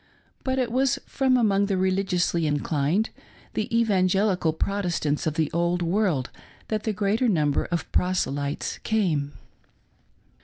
But it was from among the religiously inclined — the Evangelical Protestants of the Old World that the greater number of proselytes came.